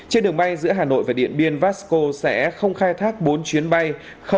trên đường bay giữa hà nội và điện biên vasco sẽ không khai thác bốn chuyến bay